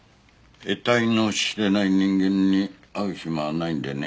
得体の知れない人間に会う暇はないんでね。